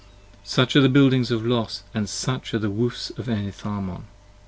15 Such are the Buildings of Los: & such are the Woofs of Enitharmon.